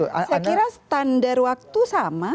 saya kira standar waktu sama